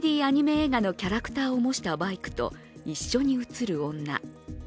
映画のキャラクターをもしたバイクと一緒に映る女。